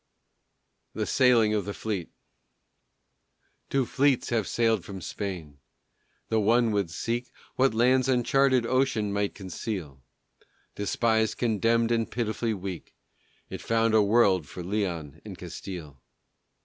THE SAILING OF THE FLEET Two fleets have sailed from Spain. The one would seek What lands uncharted ocean might conceal. Despised, condemned, and pitifully weak, It found a world for Leon and Castile.